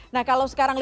nah kalau sekarang